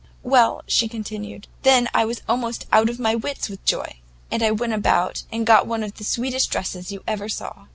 "Well," she continued, "then I was almost out of my wits with joy; and I went about, and got one of the sweetest dresses you ever saw.